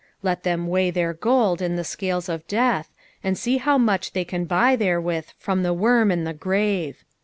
Let them weigh their gold in the scales of death, and sec how much they can buy therewith from the worm and the grove.